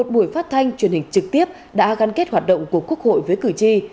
một buổi phát thanh truyền hình trực tiếp đã gắn kết hoạt động của quốc hội với cử tri